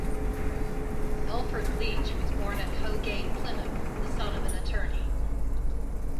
Elford Leach was born at Hoe Gate, Plymouth, the son of an attorney.